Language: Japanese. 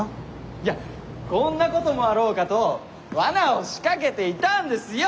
いやこんなこともあろうかと罠を仕掛けていたんですよ！